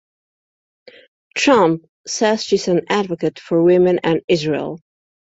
Trump says she is an advocate for women and Israel.